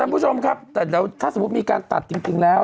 ท่านผู้ชมครับแต่ถ้าสมมติมีการตัดจริงแล้ว